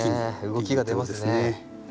動きが出ますね。